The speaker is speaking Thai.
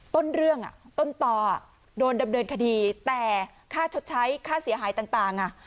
ต้นเรื่องต้นต่อโดนดำเนินคดีแต่ค่าชดใช้ค่าเสียหายต่าง